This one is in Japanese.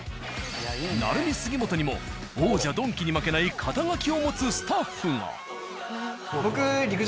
「ナルミ杉本」にも王者「ドンキ」に負けない肩書を持つスタッフが。